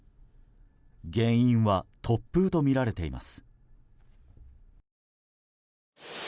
原因は突風とみられています。